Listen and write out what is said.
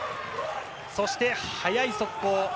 そして早い速攻。